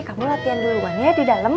kamu latihan duluan ya di dalam